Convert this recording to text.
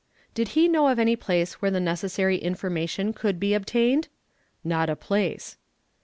Did he know of any place where the necessary information could be obtained? "Not a place."